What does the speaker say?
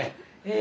え！